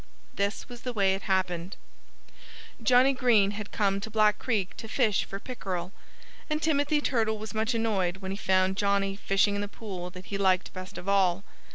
This was the way it happened: Johnnie Green had come to Black Creek to fish for pickerel. And Timothy Turtle was much annoyed when he found Johnnie fishing in the pool that he liked best of all.